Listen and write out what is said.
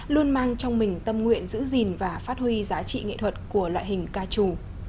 luôn mang trong mình tâm nguyện giữ gìn và phát huy giá trị nghệ thuật của loại hình ca trù